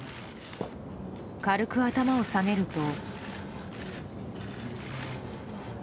軽く頭を下げると。